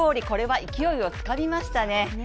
これは勢いがかかりましたね。